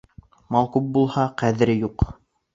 Мал күп булһа, ҡәҙере юҡ.